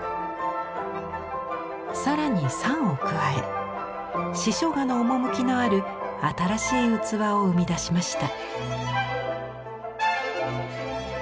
更に賛を加え「詩書画」のおもむきのある新しい器を生み出しました。